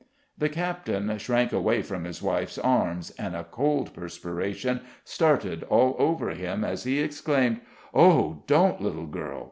The captain shrank away from his wife's arms, and a cold perspiration started all over him as he exclaimed: "Oh, don't, little girl!